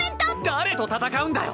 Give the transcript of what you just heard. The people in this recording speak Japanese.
誰と戦うんだよ！